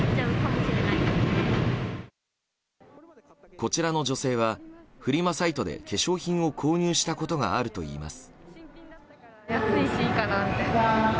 こちらの女性はフリマサイトで化粧品を購入したことがあるといいます。